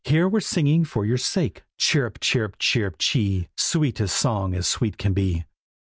Here we're singing for your sake. Chirrup! chirrup! chirrup! chee! Sweet a song as sweet can be.